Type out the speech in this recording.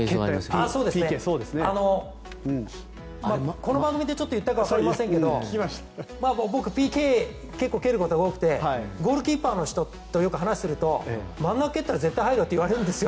この番組で言ったかわかりませんが僕、ＰＫ結構蹴ることが多くてゴールキーパーの人とよく話すと真ん中蹴ったら絶対に入るよって言われるんですよ。